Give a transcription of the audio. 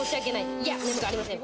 いや、眠くありません。